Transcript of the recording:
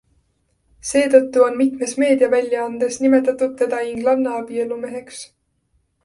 Seetõttu on mitmes meediaväljaandes nimetatud teda inglanna abielumeheks.